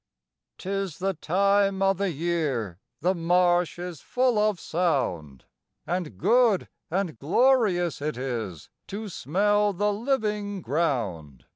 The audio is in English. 'Tis the time o' the year the marsh is full of sound, And good and glorious it is to smell the living ground.